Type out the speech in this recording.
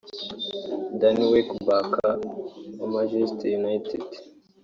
Danny Welbeck wa Manchester United